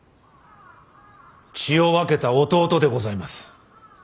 血を分けた弟でございます。